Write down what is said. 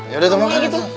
ya udah temen aja gitu